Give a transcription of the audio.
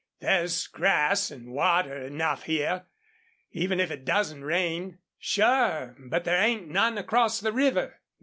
There's grass an' water enough here, even if it doesn't rain." "Sure, but there ain't none across the river."